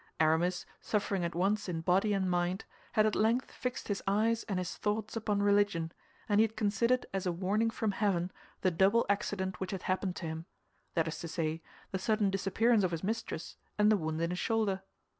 Aramis, suffering at once in body and mind, had at length fixed his eyes and his thoughts upon religion, and he had considered as a warning from heaven the double accident which had happened to him; that is to say, the sudden disappearance of his mistress and the wound in his shoulder.